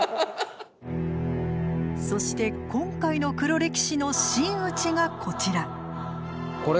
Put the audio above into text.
そして今回の黒歴史の真打ちがこちら。